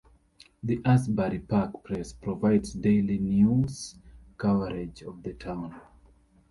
The Asbury Park Press provides daily news coverage of the town.